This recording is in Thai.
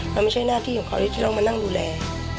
มันไม่ใช่หน้าที่ของเขาที่ต้องมานั่งดูแล